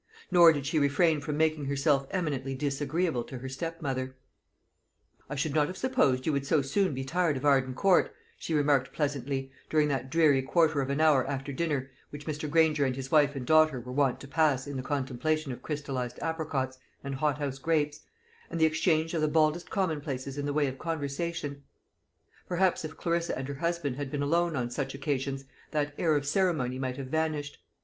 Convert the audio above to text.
Nor did she refrain from making herself eminently disagreeable to her stepmother. "I should not have supposed you would so soon be tired of Arden Court," she remarked pleasantly, during that dreary quarter of an hour after dinner which Mr. Granger and his wife and daughter were wont to pass in the contemplation of crystallized apricots and hothouse grapes, and the exchange of the baldest commonplaces in the way of conversation; Perhaps if Clarissa and her husband had been alone on such occasions that air of ceremony might have vanished.